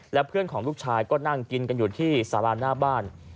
และเพื่อนของลูกชายก็นั่งกินกันอยู่ที่สาราหน้าบ้าน